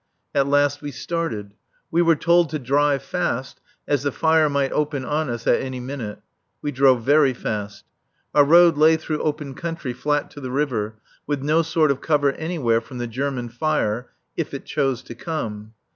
At last we started. We were told to drive fast, as the fire might open on us at any minute. We drove very fast. Our road lay through open country flat to the river, with no sort of cover anywhere from the German fire, if it chose to come.